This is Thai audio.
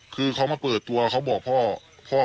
คือเขามาเปิดตัวเขาบอกพ่อผมเนี่ยว่า